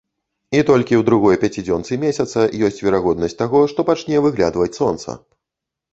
І толькі ў другой пяцідзёнцы месяца ёсць верагоднасць таго, што пачне выглядваць сонца.